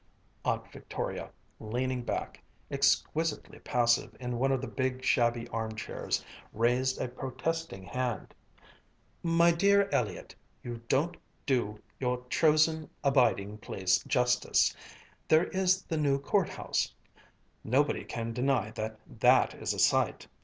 Aunt Victoria, leaning back, exquisitely passive, in one of the big, shabby arm chairs, raised a protesting hand. "My dear Elliott, you don't do your chosen abiding place justice. There is the new Court House. Nobody can deny that that is a sight.